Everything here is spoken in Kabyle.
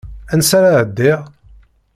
Ansa ara ɛeddiɣ?